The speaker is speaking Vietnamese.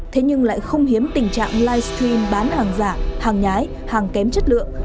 thế nhưng lại không hiếm tình trạng live stream bán hàng giả hàng nhái hàng kém chất lượng